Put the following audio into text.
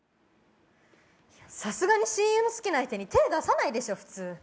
さすがに親友の好きな相手に手出さないでしょう。